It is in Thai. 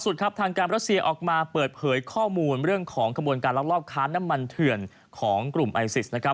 ครับทางการรัสเซียออกมาเปิดเผยข้อมูลเรื่องของขบวนการลักลอบค้าน้ำมันเถื่อนของกลุ่มไอซิสนะครับ